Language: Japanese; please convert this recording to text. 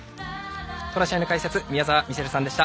この試合の解説宮澤ミシェルさんでした。